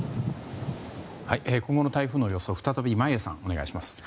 今後の台風の予想を再び眞家さんお願いします。